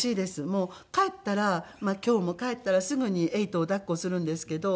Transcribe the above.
もう帰ったら今日も帰ったらすぐに恵偉人を抱っこするんですけど。